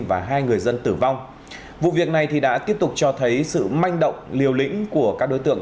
và hai người dân tử vong vụ việc này thì đã tiếp tục cho thấy sự manh động liều lĩnh của các đối tượng